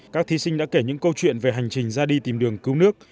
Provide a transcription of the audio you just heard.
các thí sinh đã kể những câu chuyện về hành trình ra đi tìm đường cứu nước